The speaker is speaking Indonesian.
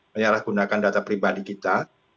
menyalahgunakan data pribadi kita